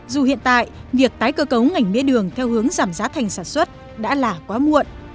dù hiện tại việc tái cơ cấu ngành mía đường theo hướng giảm giá thành sản xuất đã là quá muộn